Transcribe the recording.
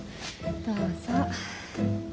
どうぞ。